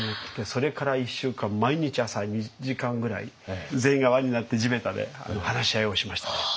それから１週間毎日朝２時間ぐらい全員が輪になって地べたで話し合いをしましたね。